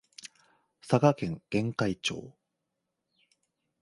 佐賀県玄海町